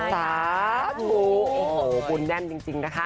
สาธุโอ้โหบุญแน่นจริงนะคะ